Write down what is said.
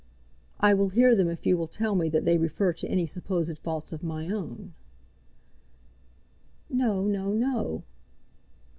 "I will hear them if you will tell me that they refer to any supposed faults of my own." "No, no, no!"